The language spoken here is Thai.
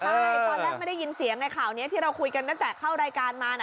ตอนแรกไม่ได้ยินเสียงในข่าวเนี้ยที่เราคุยกันอาจจะเข้ารายการมาน่ะ